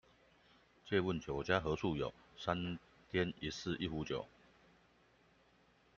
借問酒家何處有，山巔一寺一壺酒